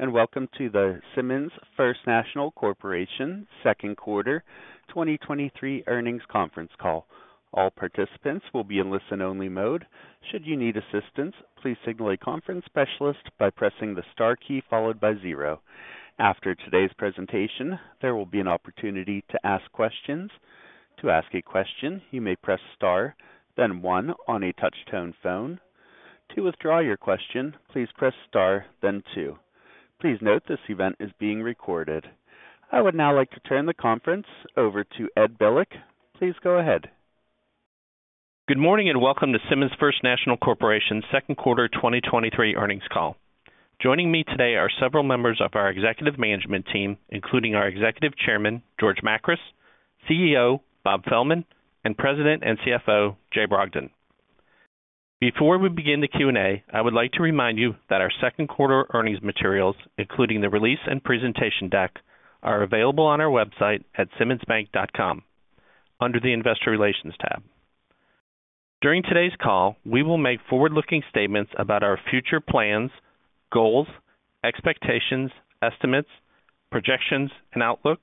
Welcome to the Simmons First National Corporation Q2 2023 earnings conference call. All participants will be in listen-only mode. Should you need assistance, please signal a conference specialist by pressing the star key followed by zero. After today's presentation, there will be an opportunity to ask questions. To ask a question, you may press star, then one on a touch-tone phone. To withdraw your question, please press star, then two. Please note, this event is being recorded. I would now like to turn the conference over to Ed Bilek. Please go ahead. Good morning, welcome to Simmons First National Corporation Q2 2023 earnings call. Joining me today are several members of our executive management team, including our Executive Chairman, George Makris, CEO, Bob Fehlman, and President and CFO, Jay Brogdon. Before we begin the Q&A, I would like to remind you that our Q2 earnings materials, including the release and presentation deck, are available on our website at simmonsbank.com, under the Investor Relations tab. During today's call, we will make forward-looking statements about our future plans, goals, expectations, estimates, projections, and outlook,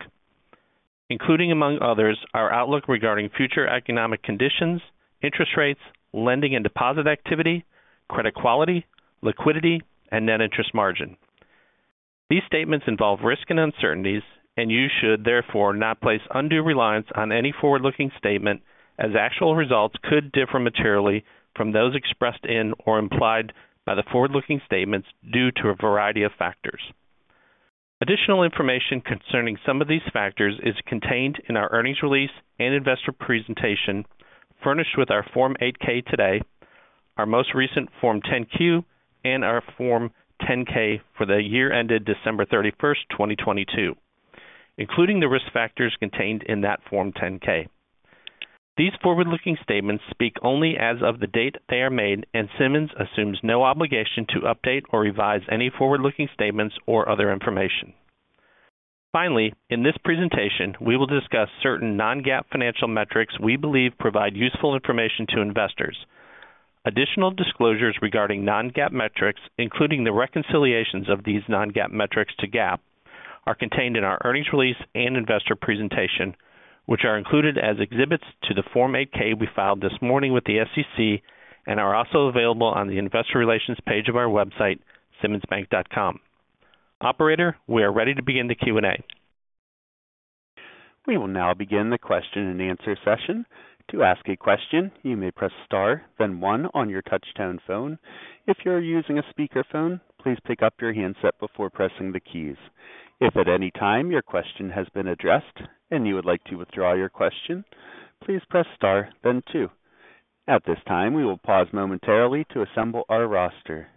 including, among others, our outlook regarding future economic conditions, interest rates, lending and deposit activity, credit quality, liquidity, and net interest margin. These statements involve risk and uncertainties, and you should therefore not place undue reliance on any forward-looking statement as actual results could differ materially from those expressed in or implied by the forward-looking statements due to a variety of factors. Additional information concerning some of these factors is contained in our earnings release and investor presentation, furnished with our Form 8-K today, our most recent Form 10-Q, and our Form 10-K for the year ended December 31st, 2022, including the risk factors contained in that Form 10-K. These forward-looking statements speak only as of the date they are made, and Simmons assumes no obligation to update or revise any forward-looking statements or other information. Finally, in this presentation, we will discuss certain non-GAAP financial metrics we believe provide useful information to investors. Additional disclosures regarding non-GAAP metrics, including the reconciliations of these non-GAAP metrics to GAAP, are contained in our earnings release and investor presentation, which are included as exhibits to the Form 8-K we filed this morning with the SEC and are also available on the Investor Relations page of our website, simmonsbank.com. Operator, we are ready to begin the Q&A. We will now begin the question-and-answer session. To ask a question, you may press star, then one on your touch-tone phone. If you are using a speakerphone, please pick up your handset before pressing the keys. If at any time your question has been addressed and you would like to withdraw your question, please press star, then two. At this time, we will pause momentarily to assemble our roster.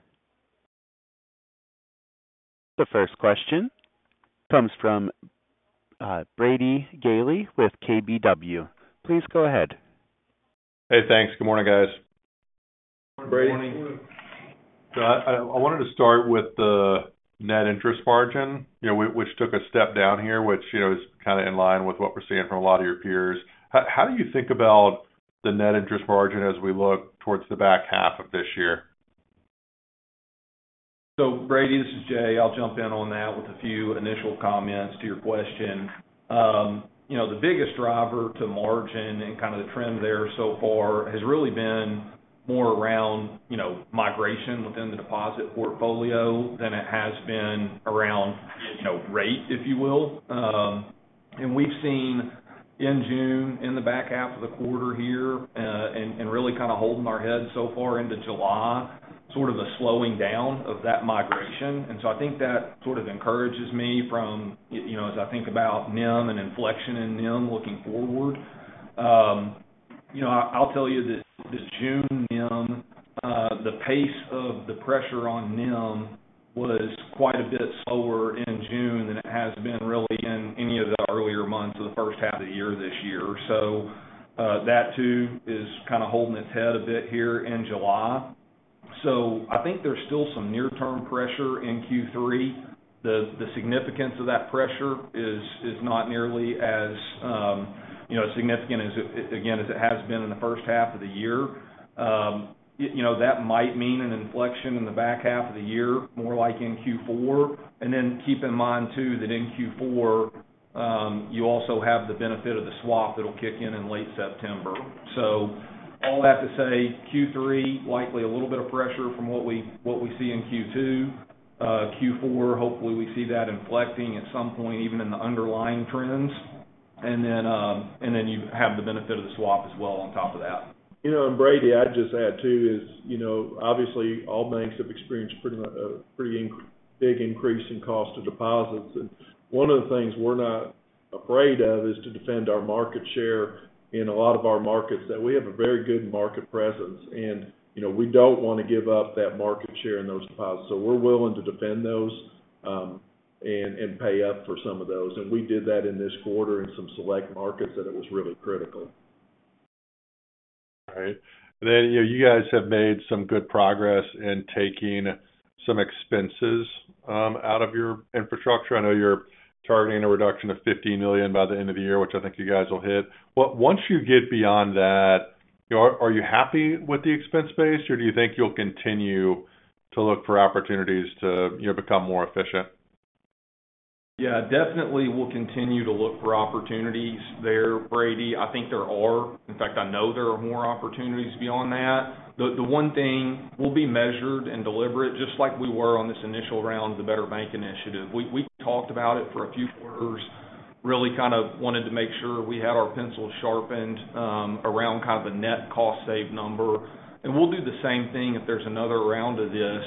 The first question comes from Brady Gailey with KBW. Please go ahead. Hey, thanks. Good morning, guys. Good morning. Good morning. I wanted to start with the net interest margin, you know, which took a step down here, which, you know, is kind of in line with what we're seeing from a lot of your peers. How do you think about the net interest margin as we look towards the back half of this year? Brady, this is Jay. I'll jump in on that with a few initial comments to your question. you know, the biggest driver to margin and kind of the trend there so far has really been more around, you know, migration within the deposit portfolio than it has been around, you know, rate, if you will. We've seen in June, in the back half of the quarter here, and really kind of holding our heads so far into July, sort of a slowing down of that migration. I think that sort of encourages me from, you know, as I think about NIM and inflection in NIM looking forward. You know, I'll tell you that the June NIM, the pace of the pressure on NIM was quite a bit slower in June than it has been really in any of the earlier months of the first half of the year this year. That too is kind of holding its head a bit here in July. I think there's still some near-term pressure in Q3. The significance of that pressure is not nearly as, you know, significant as it has been in the first half of the year. You know, that might mean an inflection in the back half of the year, more like in Q4. Keep in mind too, that in Q4, you also have the benefit of the swap that'll kick in late September. All that to say, Q3, likely a little bit of pressure from what we see in Q2. Q4, hopefully, we see that inflecting at some point, even in the underlying trends. Then you have the benefit of the swap as well on top of that. You know, Brady, I'd just add, too, is, you know, obviously, all banks have experienced a big increase in cost of deposits. One of the things we're not afraid of is to defend our market share in a lot of our markets, that we have a very good market presence. You know, we don't want to give up that market share in those deposits. We're willing to defend those, and pay up for some of those. We did that in this quarter in some select markets, that it was really critical. Right. You know, you guys have made some good progress in taking some expenses out of your infrastructure. I know you're targeting a reduction of $50 million by the end of the year, which I think you guys will hit. Once you get beyond that. Are you happy with the expense base, or do you think you'll continue to look for opportunities to, you know, become more efficient? Yeah, definitely, we'll continue to look for opportunities there, Brady. I think there are, in fact, I know there are more opportunities beyond that. The one thing, we'll be measured and deliberate, just like we were on this initial round of the Better Bank Initiative. We talked about it for a few quarters, really kind of wanted to make sure we had our pencils sharpened, around kind of a net cost save number. We'll do the same thing if there's another round of this.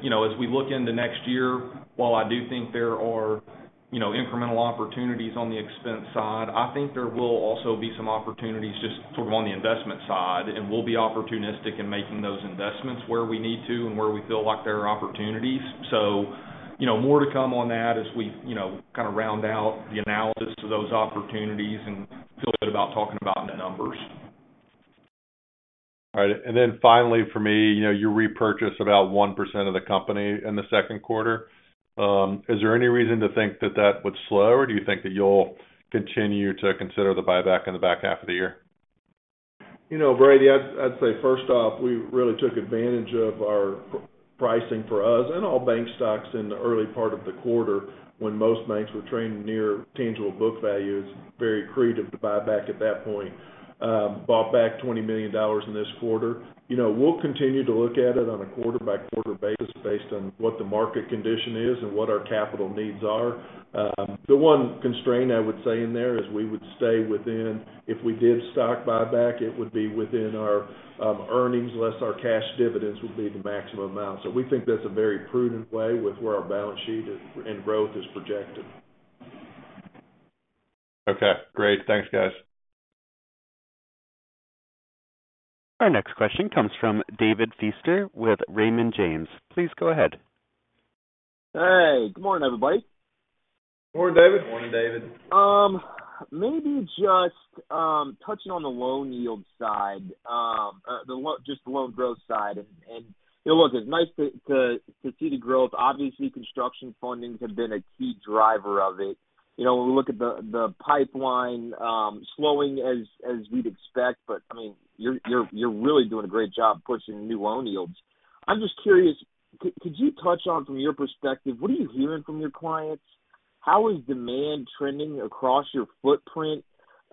You know, as we look into next year, while I do think there are, you know, incremental opportunities on the expense side, I think there will also be some opportunities just sort of on the investment side, and we'll be opportunistic in making those investments where we need to and where we feel like there are opportunities. You know, more to come on that as we, you know, kind of round out the analysis to those opportunities and feel good about talking about net numbers. All right. Finally, for me, you know, you repurchased about 1% of the company in the Q2. Is there any reason to think that that would slow, or do you think that you'll continue to consider the buyback in the back half of the year? You know, Brady, I'd say first off, we really took advantage of our pricing for us and all bank stocks in the early part of the quarter, when most banks were trading near tangible book values, very accretive to buyback at that point. Bought back $20 million in this quarter. You know, we'll continue to look at it on a quarter-by-quarter basis, based on what the market condition is and what our capital needs are. The one constraint I would say in there is we would stay within if we did stock buyback, it would be within our earnings, less our cash dividends, would be the maximum amount. We think that's a very prudent way with where our balance sheet is, and growth is projected. Okay, great. Thanks, guys. Our next question comes from David Feaster with Raymond James. Please go ahead. Hey, good morning, everybody. Good morning, David. Morning, David. Maybe just touching on the loan yield side, just the loan growth side. You know, look, it's nice to see the growth. Obviously, construction funding has been a key driver of it. You know, when we look at the pipeline, slowing as we'd expect, but, I mean, you're really doing a great job pushing new loan yields. I'm just curious, could you touch on, from your perspective, what are you hearing from your clients? How is demand trending across your footprint?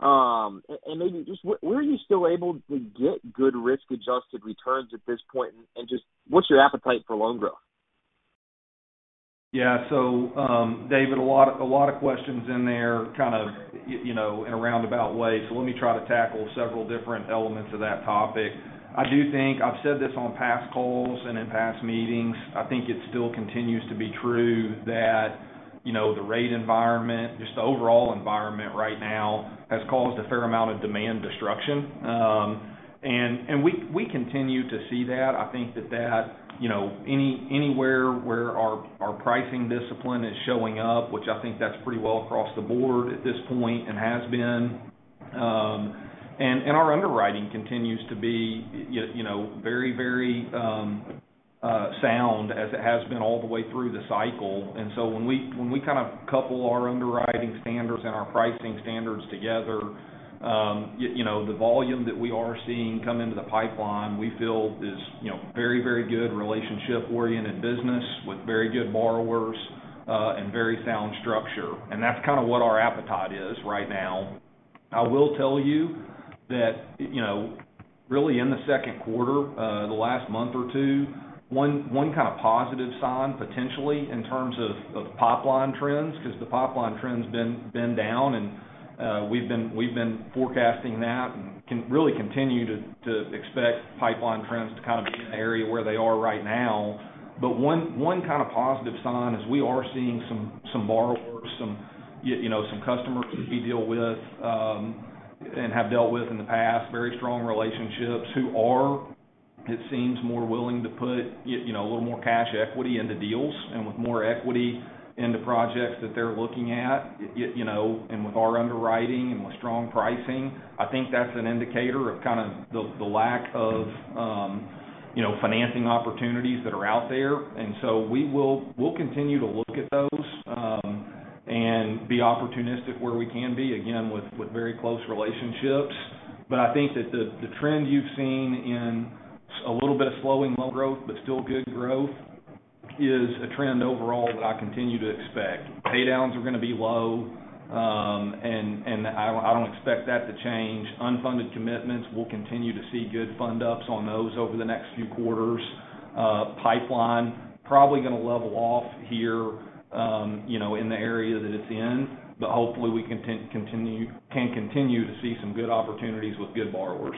Maybe just where are you still able to get good risk-adjusted returns at this point, and just what's your appetite for loan growth? Yeah. David, a lot of questions in there, kind of, you know, in a roundabout way. Let me try to tackle several different elements of that topic. I do think I've said this on past calls and in past meetings, I think it still continues to be true that, you know, the rate environment, just the overall environment right now, has caused a fair amount of demand destruction. We continue to see that. I think that, you know, anywhere where our pricing discipline is showing up, which I think that's pretty well across the board at this point and has been. Our underwriting continues to be, you know, very, sound as it has been all the way through the cycle. When we kind of couple our underwriting standards and our pricing standards together, you know, the volume that we are seeing come into the pipeline, we feel is, you know, very, very good, relationship-oriented business with very good borrowers, and very sound structure. That's kind of what our appetite is right now. I will tell you that, you know, really, in the Q2, the last month or two, one kind of positive sign, potentially, in terms of pipeline trends, because the pipeline trend's been down, and we've been forecasting that and can really continue to expect pipeline trends to kind of be in an area where they are right now. One kind of positive sign is we are seeing some borrowers, some, you know, some customers that we deal with, and have dealt with in the past, very strong relationships, who are, it seems, more willing to put, you know, a little more cash equity into deals and with more equity in the projects that they're looking at, you know, and with our underwriting and with strong pricing, I think that's an indicator of kind of the lack of, you know, financing opportunities that are out there. We'll continue to look at those, and be opportunistic where we can be, again, with very close relationships. I think that the trend you've seen in a little bit of slowing loan growth, but still good growth, is a trend overall that I continue to expect. Paydowns are going to be low, and I don't expect that to change. Unfunded commitments, we'll continue to see good fund ups on those over the next few quarters. Pipeline, probably going to level off here, you know, in the area that it's in, but hopefully, we can continue to see some good opportunities with good borrowers.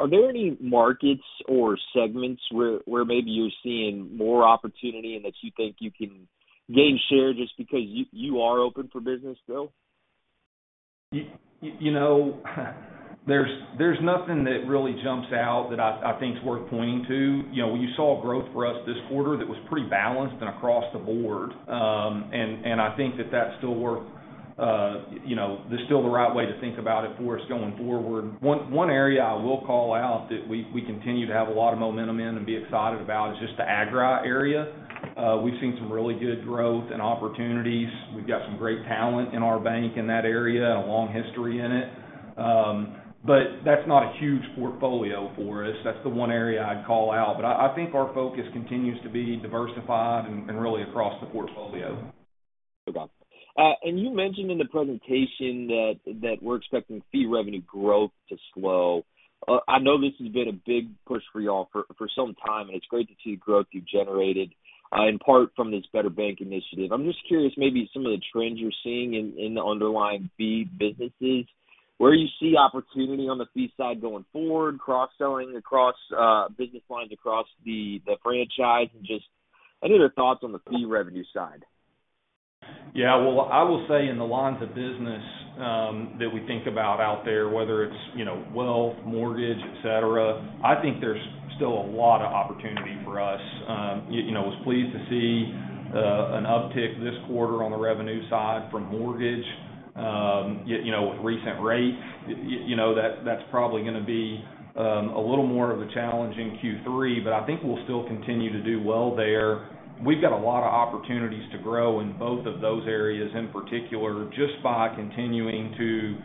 Are there any markets or segments where maybe you're seeing more opportunity and that you think you can gain share just because you are open for business still? You know, there's nothing that really jumps out that I think is worth pointing to. You know, you saw growth for us this quarter that was pretty balanced and across the board. And I think that that's still worth, you know, that's still the right way to think about it for us going forward. One area I will call out that we continue to have a lot of momentum in and be excited about is just the agri area. We've seen some really good growth and opportunities. We've got some great talent in our bank in that area and a long history in it. That's not a huge portfolio for us. That's the one area I'd call out, but I think our focus continues to be diversified and really across the portfolio. Okay. You mentioned in the presentation that we're expecting fee revenue growth to slow. I know this has been a big push for y'all for some time, and it's great to see the growth you've generated, in part from this Better Bank Initiative. I'm just curious, maybe some of the trends you're seeing in the underlying fee businesses, where you see opportunity on the fee side going forward, cross-selling across, business lines, across the franchise, and just any other thoughts on the fee revenue side? Well, I will say in the lines of business that we think about out there, whether it's, you know, wealth, mortgage, et cetera, I think there's still a lot of opportunity for us. You know, was pleased to see an uptick this quarter on the revenue side from mortgage. You know, with recent rates, you know, that's probably gonna be a little more of a challenge in Q3, but I think we'll still continue to do well there. We've got a lot of opportunities to grow in both of those areas, in particular, just by continuing to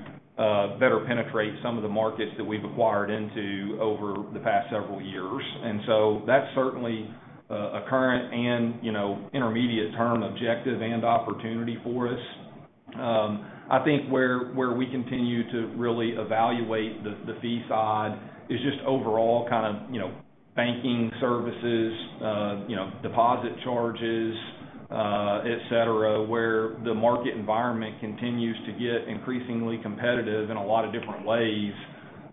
better penetrate some of the markets that we've acquired into over the past several years. That's certainly a current and, you know, intermediate term objective and opportunity for us. I think where we continue to really evaluate the fee side is just overall kind of, you know, banking services, you know, deposit charges, et cetera, where the market environment continues to get increasingly competitive in a lot of different ways.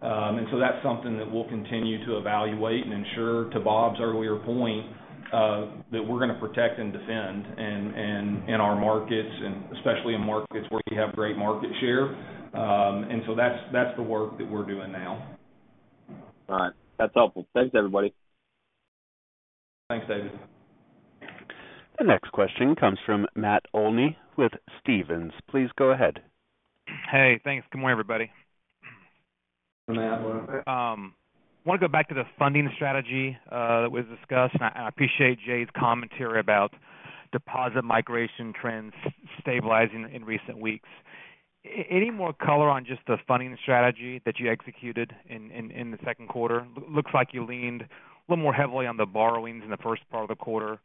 That's something that we'll continue to evaluate and ensure, to Bob's earlier point, that we're gonna protect and defend in our markets, and especially in markets where we have great market share. That's, that's the work that we're doing now. All right. That's helpful. Thanks, everybody. Thanks, David. The next question comes from Matt Olney with Stephens. Please go ahead. Hey, thanks. Good morning, everybody. Good morning, Matt. I want to go back to the funding strategy that was discussed, and I appreciate Jay's commentary about deposit migration trends stabilizing in recent weeks. Any more color on just the funding strategy that you executed in the Q2? Looks like you leaned a little more heavily on the borrowings in the first part of the quarter.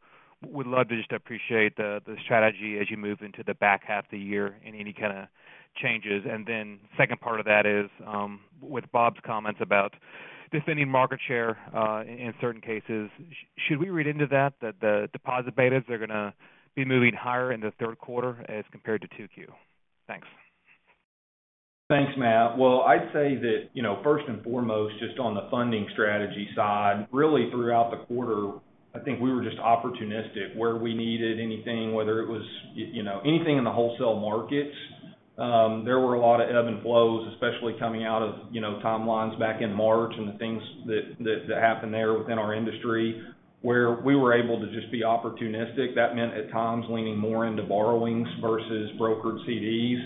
Would love to just appreciate the strategy as you move into the back half of the year and any kind of changes, second part of that is, with Bob's comments about defending market share in certain cases, should we read into that the deposit betas are gonna be moving higher in the Q3 as compared to Q2? Thanks. Thanks, Matt. Well, I'd say that, you know, first and foremost, just on the funding strategy side, really throughout the quarter, I think we were just opportunistic where we needed anything, whether it was, you know, anything in the wholesale markets. There were a lot of ebb and flows, especially coming out of, you know, timelines back in March and the things that happened there within our industry, where we were able to just be opportunistic. That meant, at times, leaning more into borrowings versus brokered CDs.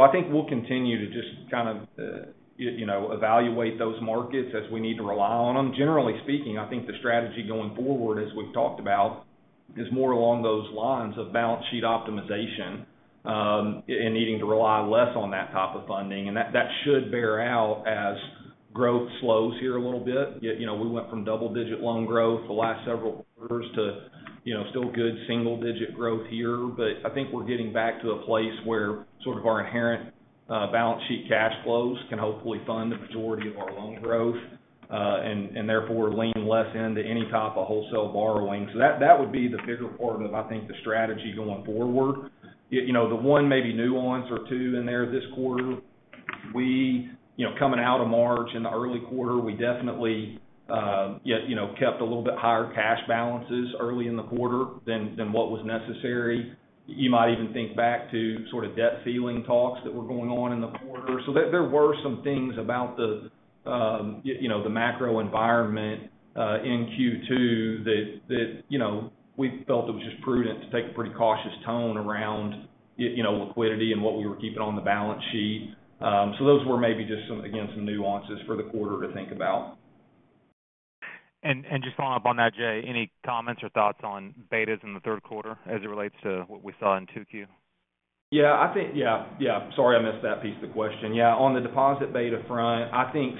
I think we'll continue to just kind of, you know, evaluate those markets as we need to rely on them. Generally speaking, I think the strategy going forward, as we've talked about, is more along those lines of balance sheet optimization, and needing to rely less on that type of funding. That should bear out as growth slows here a little bit. Yet, you know, we went from double-digit loan growth the last several quarters to, you know, still good single-digit growth here. I think we're getting back to a place where sort of our inherent balance sheet cash flows can hopefully fund the majority of our loan growth and, therefore, lean less into any type of wholesale borrowing. That would be the bigger part of, I think, the strategy going forward. You know, the one maybe nuance or two in there this quarter, we. You know, coming out of March in the early quarter, we definitely, yet, you know, kept a little bit higher cash balances early in the quarter than what was necessary. You might even think back to sort of debt ceiling talks that were going on in the quarter. There were some things about the, you know, the macro environment in Q2, that, you know, we felt it was just prudent to take a pretty cautious tone around you know, liquidity and what we were keeping on the balance sheet. Those were maybe just some, again, some nuances for the quarter to think about. Just follow up on that, Jay, any comments or thoughts on betas in the Q3 as it relates to what we saw in Q2? Yeah, I think. Yeah, yeah, sorry, I missed that piece of the question. Yeah, on the deposit beta front, I think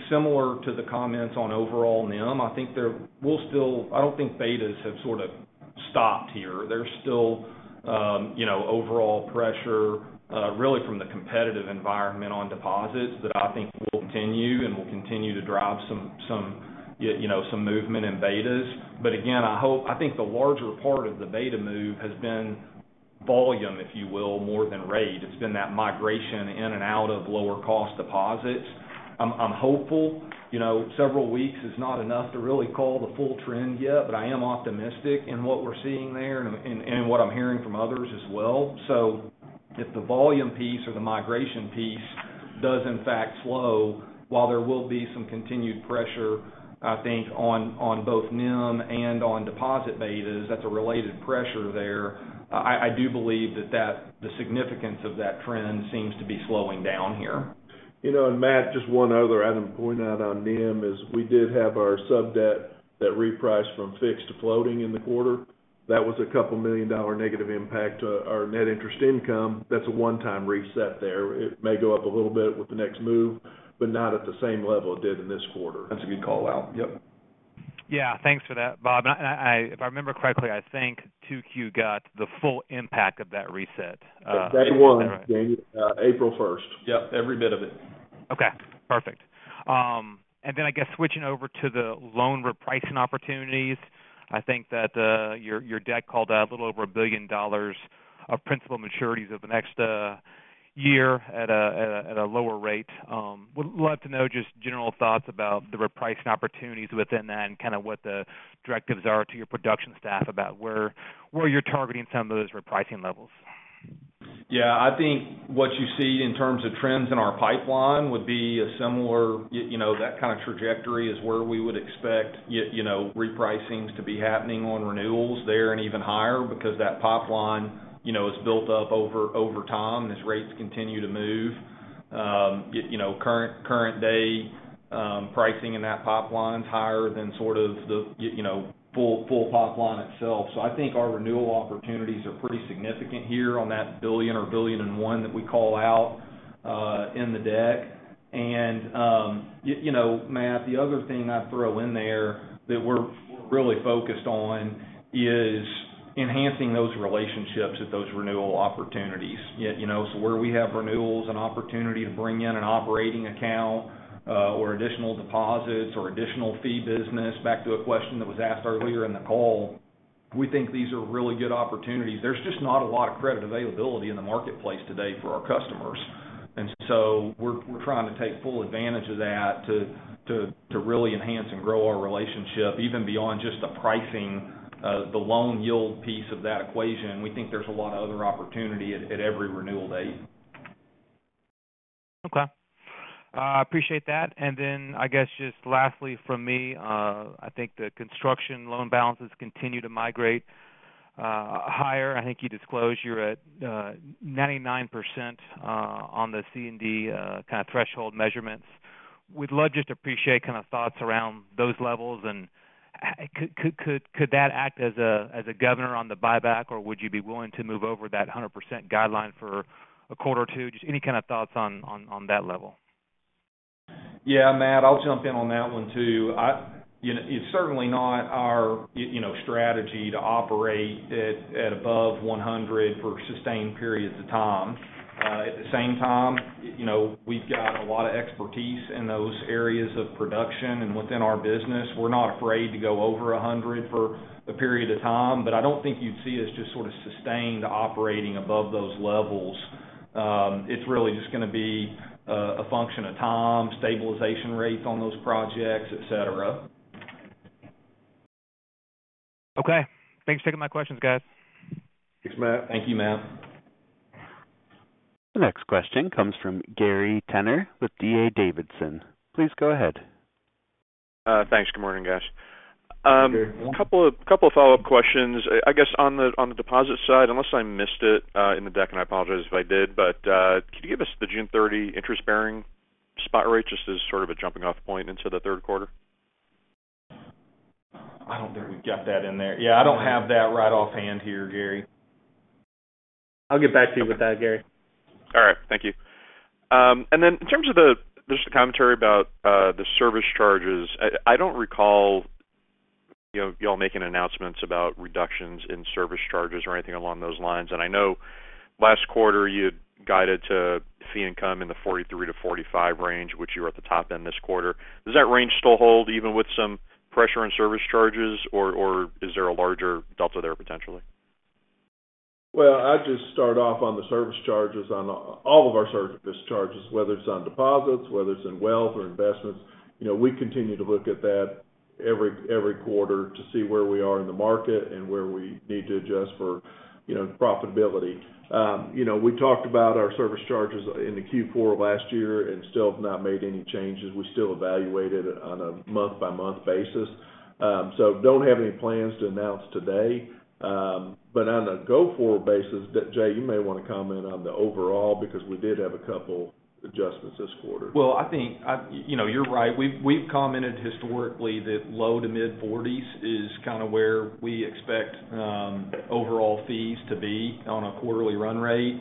I don't think betas have sort of stopped here. There's still, you know, overall pressure, really from the competitive environment on deposits that I think will continue and will continue to drive some, you know, some movement in betas. Again, I think the larger part of the beta move has been volume, if you will, more than rate. It's been that migration in and out of lower-cost deposits. I'm hopeful, you know, several weeks is not enough to really call the full trend yet, but I am optimistic in what we're seeing there and what I'm hearing from others as well. If the volume piece or the migration piece does in fact slow, while there will be some continued pressure, I think, on both NIM and on deposit betas, that's a related pressure there, I do believe that the significance of that trend seems to be slowing down here. You know, Matt, just one other item to point out on NIM is we did have our sub-debt that repriced from fixed to floating in the quarter. That was a couple million dollar negative impact to our net interest income. That's a one-time reset there. It may go up a little bit with the next move, but not at the same level it did in this quarter. That's a good call out. Yep. Yeah, thanks for that, Bob. I if I remember correctly, I think Q2 got the full impact of that reset. Day one, April first. Yep, every bit of it. Okay, perfect. I guess switching over to the loan repricing opportunities, I think that your deck called out a little over $1 billion of principal maturities over the next year at a lower rate. Would love to know just general thoughts about the repricing opportunities within that and kind of what the directives are to your production staff about where you're targeting some of those repricing levels. Yeah, I think what you see in terms of trends in our pipeline would be a similar, you know, that kind of trajectory is where we would expect, you know, repricings to be happening on renewals there and even higher, because that pipeline, you know, is built up over time as rates continue to move. You know, current day, pricing in that pipeline is higher than sort of the, you know, full pipeline itself. I think our renewal opportunities are pretty significant here on that $1 billion or $1.1 billion that we call out in the deck. You know, Matt, the other thing I'd throw in there that we're really focused on is enhancing those relationships with those renewal opportunities. you know, Where we have renewals and opportunity to bring in an operating account, or additional deposits, or additional fee business, back to a question that was asked earlier in the call, we think these are really good opportunities. There's just not a lot of credit availability in the marketplace today for our customers. We're trying to take full advantage of that to really enhance and grow our relationship, even beyond just the pricing, the loan yield piece of that equation. We think there's a lot of other opportunity at every renewal date. Okay. I appreciate that. Then, I guess, just lastly from me, I think the construction loan balances continue to migrate higher. I think you disclosed you're at 99% on the C&D kind of threshold measurements. We'd love just to appreciate kind of thoughts around those levels, could that act as a governor on the buyback, or would you be willing to move over that 100% guideline for a quarter or two? Just any kind of thoughts on that level? Yeah, Matt, I'll jump in on that one, too. you know, it's certainly not our you know, strategy to operate at above 100 for sustained periods of time. At the same time, you know, we've got a lot of expertise in those areas of production and within our business. We're not afraid to go over 100 for a period of time, I don't think you'd see us just sort of sustained operating above those levels. it's really just going to be, a function of time, stabilization rates on those projects, et cetera. Okay. Thanks for taking my questions, guys. Thanks, Matt. Thank you, Matt. The next question comes from Gary Tenner with D.A. Davidson. Please go ahead. Thanks. Good morning, guys. Good morning. A couple of follow-up questions. I guess on the deposit side, unless I missed it, in the deck. I apologize if I did. Could you give us the June 30th, 2023 interest-bearing spot rate, just as sort of a jumping off point into the Q3? I don't think we've got that in there. I don't have that right offhand here, Gary. I'll get back to you with that, Gary. All right, thank you. In terms of the commentary about the service charges, I don't recall, you know, y'all making announcements about reductions in service charges or anything along those lines. I know last quarter, you had guided to fee income in the $43-$45 range, which you're at the top end this quarter. Does that range still hold, even with some pressure on service charges, or is there a larger delta there potentially? Well, I'll just start off on the service charges, on all of our service charges, whether it's on deposits, whether it's in wealth or investments. You know, we continue to look at that every quarter to see where we are in the market and where we need to adjust for, you know, profitability. You know, we talked about our service charges in the Q4 last year and still have not made any changes. We still evaluate it on a month-by-month basis. Don't have any plans to announce today. On a go-forward basis, Jay, you may want to comment on the overall, because we did have a couple adjustments this quarter. Well, I think, you know, you're right. We've commented historically that low to mid-40s is kind of where we expect overall fees to be on a quarterly run rate.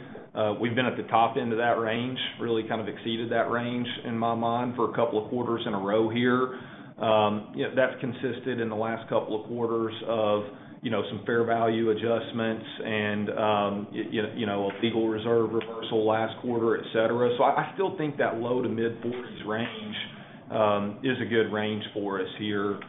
We've been at the top end of that range, really kind of exceeded that range, in my mind, for couple quarters in a row here. You know, that's consisted in the last couple quarters of, you know, some fair value adjustments and, you know, a legal reserve reversal last quarter, et cetera. I still think that low to mid-40s range is a good range for us here.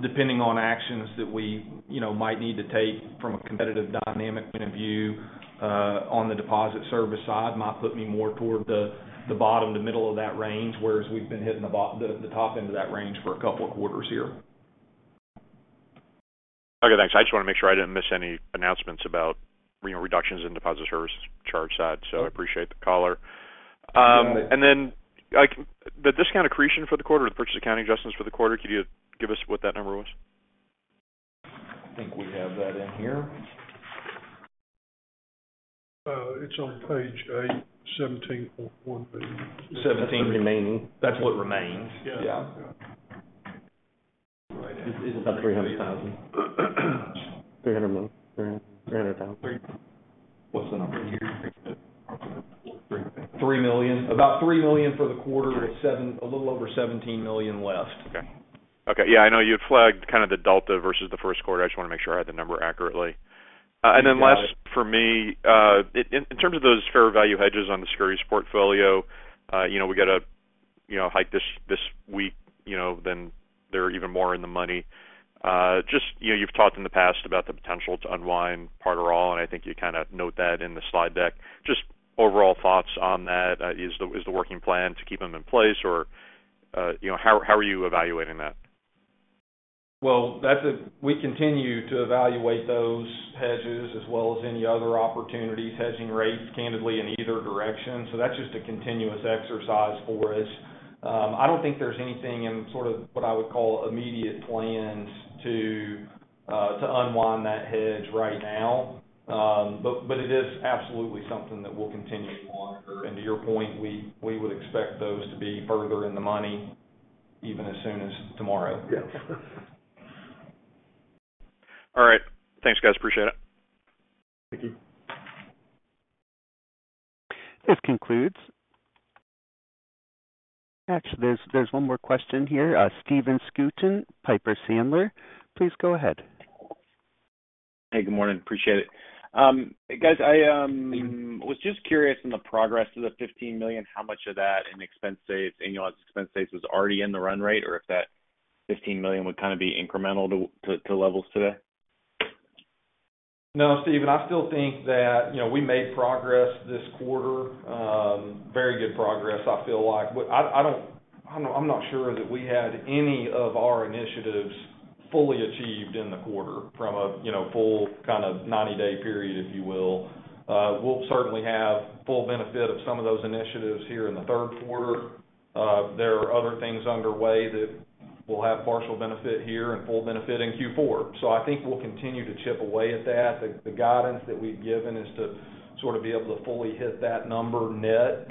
Depending on actions that we, you know, might need to take from a competitive dynamic point of view, on the deposit service side, might put me more toward the bottom to middle of that range, whereas we've been hitting the top end of that range for a couple of quarters here. Okay, thanks. I just want to make sure I didn't miss any announcements about, you know, reductions in deposit service charge side, so I appreciate the caller. The discount accretion for the quarter, the purchase accounting adjustments for the quarter, could you give us what that number was? I think we have that in here.... it's on page eight, 17.1. 17 remaining? That's what remains. Yeah. It's about $300,000. $300,000. What's the number here? $3 million. About $3 million for the quarter, a little over $17 million left. Okay. Okay, yeah, I know you had flagged kind of the delta versus the Q1. I just wanna make sure I had the number accurately. Last, for me, in terms of those fair value hedges on the securities portfolio, you know, we got a, you know, hike this week, you know, then they're even more in the money. Just, you know, you've talked in the past about the potential to unwind part or all, and I think you kind of note that in the slide deck. Just overall thoughts on that. Is the working plan to keep them in place or, you know, how are you evaluating that? We continue to evaluate those hedges as well as any other opportunities, hedging rates, candidly, in either direction. That's just a continuous exercise for us. I don't think there's anything in sort of what I would call immediate plans to unwind that hedge right now. But it is absolutely something that we'll continue to monitor. To your point, we would expect those to be further in the money, even as soon as tomorrow. All right. Thanks, guys. Appreciate it. Thank you. This concludes... Actually, there's one more question here. Stephen Scouten, Piper Sandler, please go ahead. Hey, good morning. Appreciate it. guys, I, was just curious on the progress of the $15 million, how much of that in expense saves, annual expense saves was already in the run rate, or if that $15 million would kind of be incremental to levels today? No, Stephen, I still think that, you know, we made progress this quarter, very good progress, I feel like. I'm not sure that we had any of our initiatives fully achieved in the quarter from a, you know, full kind of 90-day period, if you will. We'll certainly have full benefit of some of those initiatives here in the Q3. There are other things underway that will have partial benefit here and full benefit in Q4. I think we'll continue to chip away at that. The guidance that we've given is to sort of be able to fully hit that number net,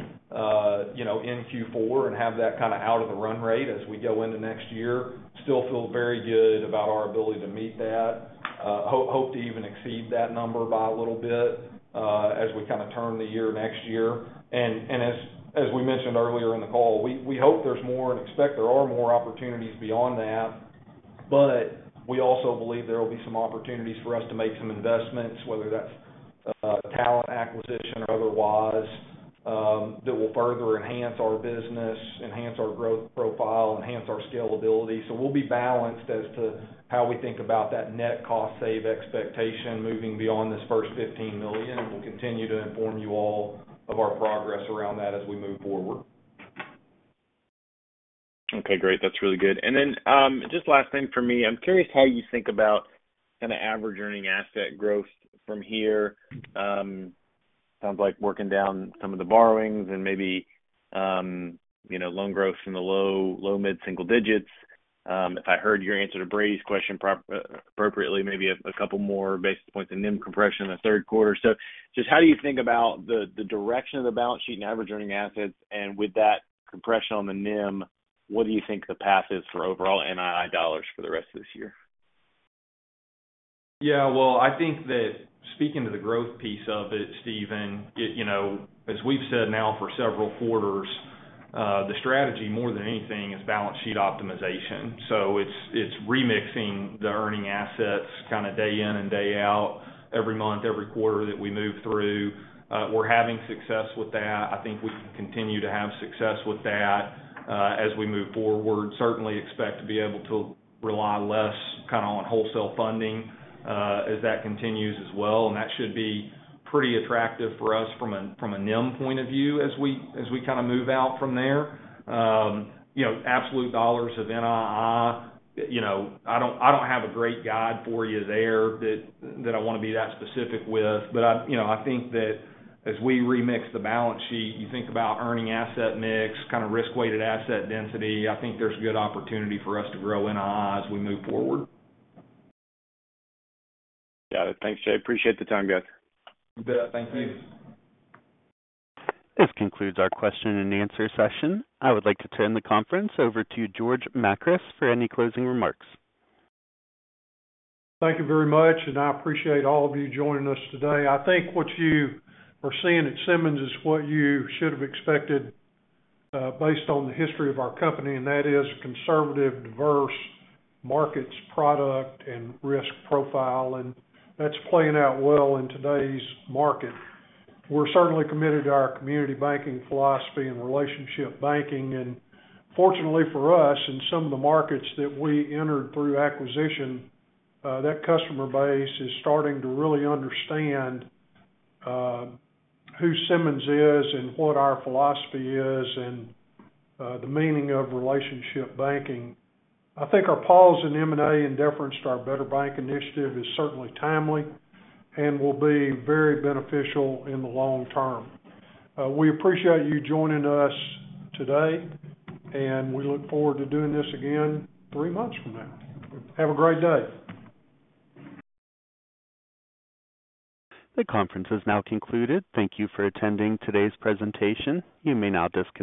you know, in Q4 and have that kind of out of the run rate as we go into next year. Still feel very good about our ability to meet that. Hope to even exceed that number by a little bit as we kind of turn the year next year. As we mentioned earlier in the call, we hope there's more and expect there are more opportunities beyond that, but we also believe there will be some opportunities for us to make some investments, whether that's talent acquisition or otherwise, that will further enhance our business, enhance our growth profile, enhance our scalability. We'll be balanced as to how we think about that net cost save expectation moving beyond this first $15 million, and we'll continue to inform you all of our progress around that as we move forward. Okay, great. That's really good. Then, just last thing for me. I'm curious how you think about kind of average earning asset growth from here. Sounds like working down some of the borrowings and maybe, you know, loan growth in the low, low-mid single digits. If I heard your answer to Brady's question appropriately, maybe a couple more basis points in NIM compression in the Q3. Just how do you think about the direction of the balance sheet and average earning assets? And with that compression on the NIM, what do you think the path is for overall NII dollars for the rest of this year? Well, I think that speaking to the growth piece of it, Stephen, it, you know, as we've said now for several quarters, the strategy more than anything is balance sheet optimization. It's, it's remixing the earning assets kind of day in and day out, every month, every quarter that we move through. We're having success with that. I think we can continue to have success with that as we move forward. Certainly expect to be able to rely less kind of on wholesale funding as that continues as well, and that should be pretty attractive for us from a, from a NIM point of view, as we, as we kind of move out from there. You know, absolute dollars of NII, you know, I don't, I don't have a great guide for you there that I want to be that specific with. I, you know, I think that as we remix the balance sheet, you think about earning asset mix, kind of risk-weighted asset density, I think there's good opportunity for us to grow NII as we move forward. Got it. Thanks, Jay. Appreciate the time, guys. You bet. Thank you. This concludes our question and answer session. I would like to turn the conference over to George Makris for any closing remarks. Thank you very much, and I appreciate all of you joining us today. I think what you are seeing at Simmons is what you should have expected, based on the history of our company, and that is conservative, diverse markets, product, and risk profile, and that's playing out well in today's market. We're certainly committed to our community banking philosophy and relationship banking, and fortunately for us, in some of the markets that we entered through acquisition, that customer base is starting to really understand, who Simmons is and what our philosophy is and, the meaning of relationship banking. I think our pause in M&A in deference to our Better Bank Initiative is certainly timely and will be very beneficial in the long term. We appreciate you joining us today, and we look forward to doing this again three months from now. Have a great day. The conference is now concluded. Thank you for attending today's presentation. You may now disconnect.